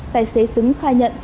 tài xế xứng khai nhận